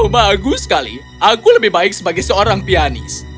bagus sekali aku lebih baik sebagai seorang pianis